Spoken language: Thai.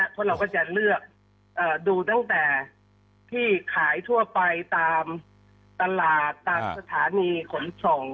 เพราะเราก็จะเลือกดูตั้งแต่ที่ขายทั่วไปตามตลาดตามสถานีขนส่ง